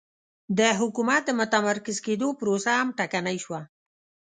د حکومت د متمرکز کېدو پروسه هم ټکنۍ شوه